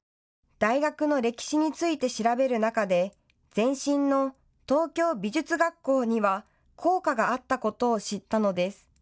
大学の歴史について調べる中で前身の東京美術学校には校歌があったことを知ったのです。